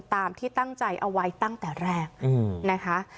ตามที่ตั้งใจเอาไว้ตั้งแต่แรกนะคะ